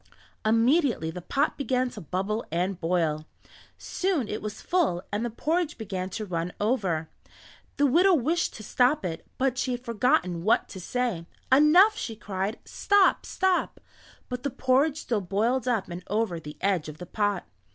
Immediately the pot began to bubble and boil. Soon it was full and the porridge began to run over. The widow wished to stop it, but she had forgotten what to say. "Enough!" she cried. "Stop! Stop!" but the porridge still boiled up and over the edge of the pot.